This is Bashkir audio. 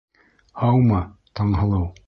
Һаумы, Таңһылыу!